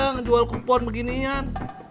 ngejual kupon beginian